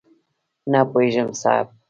نه پوهېږم صاحب؟!